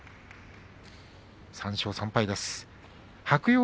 ３勝３敗です。